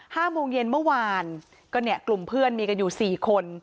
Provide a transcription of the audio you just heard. ห้าโมงเย็นเมื่อวานก็เนี่ยกลุ่มเพื่อนมีกันอยู่สี่คน